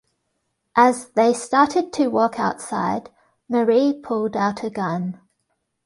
As they started to walk outside, Marie pulled out a gun.